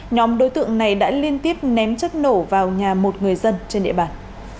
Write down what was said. nhóm đối tượng này đã liên tiếp ném chất nổ vào nhà một người dân trên địa bàn